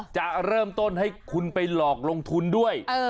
จะเริ่มต้นให้คุณไปหลอกลงทุนด้วย